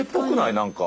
何か。